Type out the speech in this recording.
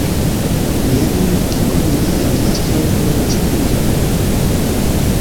Jen kion mia mastro volas diri.